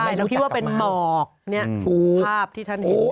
ใช่เราคิดว่าเป็นหมอกภาพที่ท่านเอง